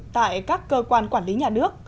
tại các cơ quan quản lý nhà nước